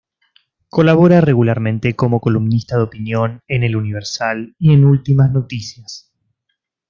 Colabora regularmente como columnista de opinión en El Universal y en Últimas Noticias.